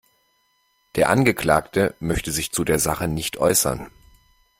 Der Angeklagte möchte sich zu der Sache nicht äußern.